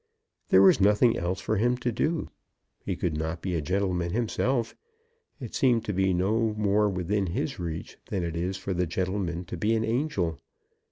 There was nothing else for him to do. He could not be a gentleman himself. It seemed to be no more within his reach than it is for the gentleman to be an angel.